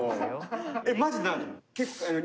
えっマジで何？